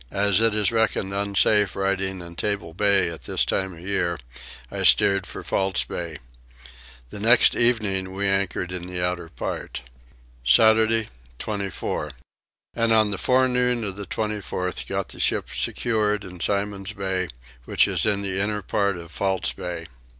As it is reckoned unsafe riding in Table Bay at this time of year I steered for False Bay. The next evening we anchored in the outer part. Saturday 24. And on the forenoon of the 24th got the ship secured in Simon's Bay, which is in the inner part of False Bay.